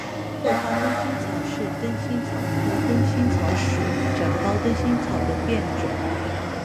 褐花灯心草是灯心草科灯心草属展苞灯心草的变种。